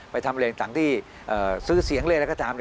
ไปทำอะไรต่างที่ซื้อเสียงเรียกอะไรก็ตาม